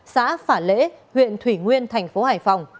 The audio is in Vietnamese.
xã phả lễ huyện thủy nguyên thành phố hải phòng